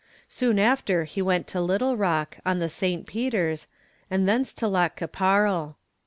Soon after he went to Little Rock, on the St. Peters, and thence to Lac qui Parle.